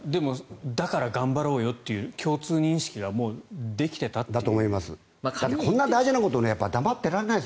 だから頑張ろうよという共通認識はもうできていたという。